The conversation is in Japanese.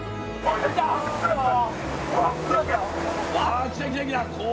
あ来た来た来た！